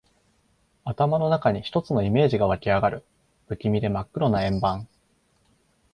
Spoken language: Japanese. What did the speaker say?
頭の中に一つのイメージが湧きあがる。不気味で真っ黒な円盤。